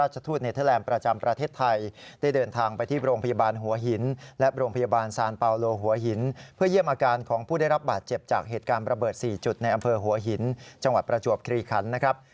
จุดในอำเภอหัวหินจังหวัดประจวบคลีครรภ์นะครับ